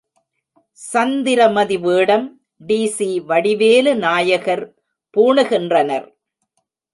சந்திரமதி வேடம் டி.சி.வடிவேலு நாயகர் பூணுகின்றனர்.